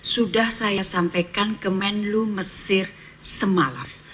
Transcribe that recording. sudah saya sampaikan ke menlu mesir semalam